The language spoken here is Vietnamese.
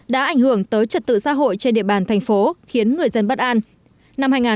đã ảnh hưởng tới trật tự xã hội trên địa bàn thành phố khiến người dân bất an